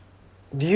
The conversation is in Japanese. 理由？